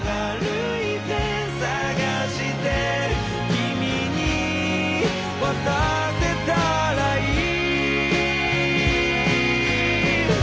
「君に渡せたらいい」